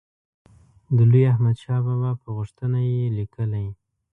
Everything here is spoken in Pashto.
د لوی احمدشاه بابا په غوښتنه یې لیکلی.